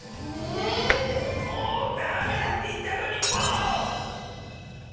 もうダメだっていったのにもう！